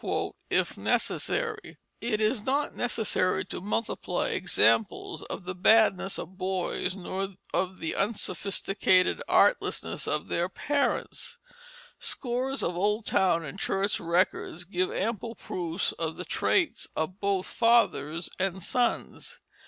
[Illustration: Margaret Graves Cary, Fourteen Years Old, 1786] It is not necessary to multiply examples of the badness of the boys, nor of the unsophisticated artlessness of their parents. Scores of old town and church records give ample proof of the traits of both fathers and sons.